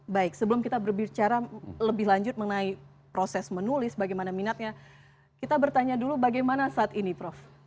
baik sebelum kita berbicara lebih lanjut mengenai proses menulis bagaimana minatnya kita bertanya dulu bagaimana saat ini prof